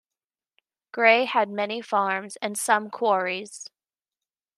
Gray had many farms and some quarries.